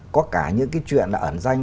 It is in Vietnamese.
có cả những cái chuyện là ẩn danh